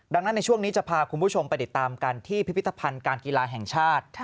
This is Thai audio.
ดังนั้นในช่วงนี้จะพาคุณผู้ชมไปติดตามกันที่พิพิธภัณฑ์การกีฬาแห่งชาติ